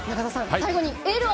最後にエールを。